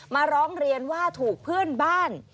มาร้องเรียนว่าถูกเพื่อนบ้าน